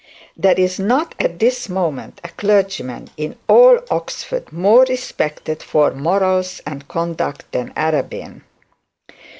'There is not at this moment a clergyman in all Oxford more respected for morals and conduct than Arabin.'